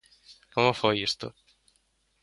Como foi isto?